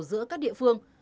giữa các địa phương